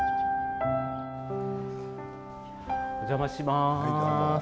お邪魔します。